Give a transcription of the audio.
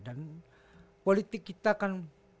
dan politik kita kan